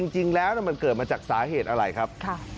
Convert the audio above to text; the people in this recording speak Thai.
จริงแล้วมันเกิดมาจากสาเหตุอะไรครับ